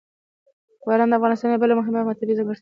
باران د افغانستان یوه بله مهمه طبیعي ځانګړتیا ده.